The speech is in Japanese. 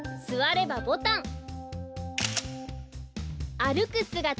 すわればボタン。